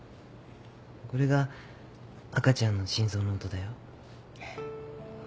これが赤ちゃんの心臓の音だよ。